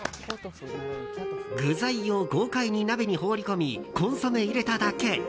具材を豪快に鍋に放り込みコンソメ入れただけ！